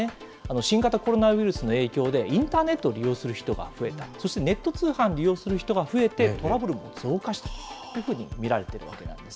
新型コロナウイルスの影響で、インターネットを利用する人が増えた、そしてネット通販を利用する人が増えて、トラブルも増加したというふうに見られているわけなんです。